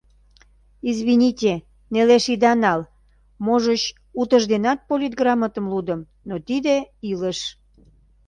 Извините, нелеш ида нал, можыч, утыжденат политграмотым лудым, но тиде — илыш.